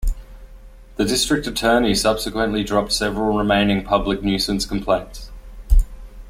The District Attorney subsequently dropped several remaining public nuisance complaints.